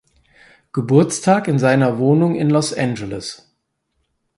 Geburtstag in seiner Wohnung in Los Angeles.